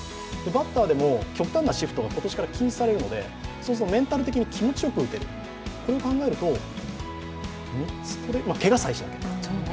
バッターでも極端なシフトが今年から禁止されるのでそうするとメンタル的に気持ちよく打てる、これを考えると、３つとれるけがさえしなければ。